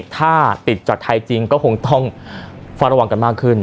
ถ้าติดจากไทยจริงก็คงต้องเฝ้าระวังกันมากขึ้น